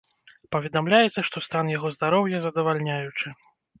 Паведамляецца, што стан яго здароўя задавальняючы.